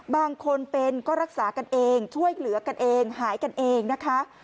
บางคนเป็นก็รักษากันเองช่วยเหลือกันเองหายกันเองนะคะ